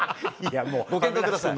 ご検討ください。